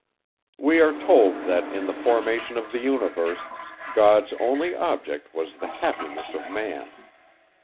We are told, that, in the formation of the universe, God's only object was the happiness of man.